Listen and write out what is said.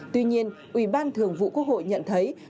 tuy nhiên ủy ban thường vụ quốc hội nhận thấy